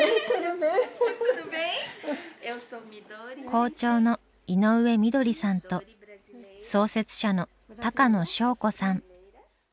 校長の井上みどりさんと創設者の高野祥子さん。